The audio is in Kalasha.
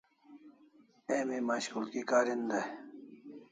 Emi mashkulgi karin dai